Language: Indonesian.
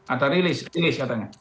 ada release katanya